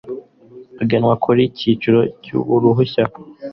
agenwa kuri buri cyiciro cy uruhushya